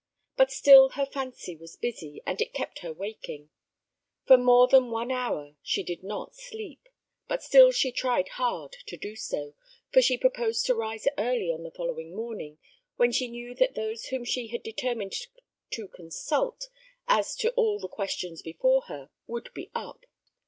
But still her fancy was busy, and it kept her waking. For more than one hour she did not sleep; but still she tried hard to do so, for she proposed to rise early on the following morning, when she knew that those whom she had determined to consult, as to all the questions before her, would be up.